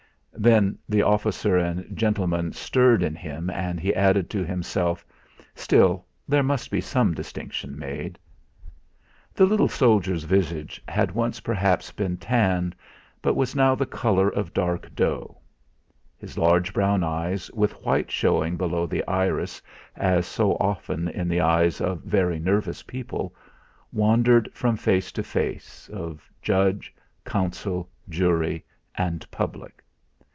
Then the officer and gentleman stirred in him, and he added to himself: 'Still, there must be some distinction made!' The little soldier's visage had once perhaps been tanned, but was now the colour of dark dough; his large brown eyes with white showing below the iris, as so often in the eyes of very nervous people wandered from face to face, of judge, counsel, jury, and public.